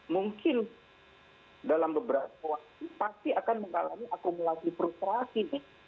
mungkin dalam beberapa waktu pasti akan mengalami akumulasi frustrasi nih